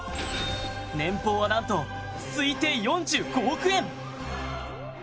年俸は、なんと推定４５億円！